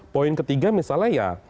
poin ketiga misalnya ya soal harun masiku